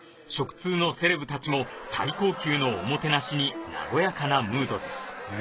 食通のセレブたちも最高級のおもてなしに和やかなムードです